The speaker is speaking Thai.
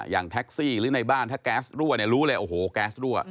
อย่างแท็กซี่หรือในบ้านถ้าแก๊สรั่วเนี่ยรู้เลยโอ้โหแก๊สรั่ว